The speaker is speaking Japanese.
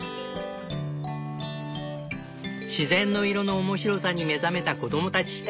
自然の色の面白さに目覚めた子供たち。